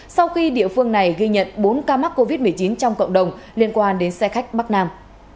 sau khi địa phương này ghi nhận bốn ca mắc covid một mươi chín trong cộng đồng liên quan đến xe khách bắc nam